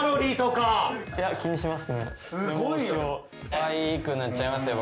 かわいく塗っちゃいますよ